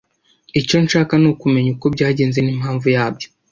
Icyo nshaka nukumenya uko byagenze n'impamvu yabyo.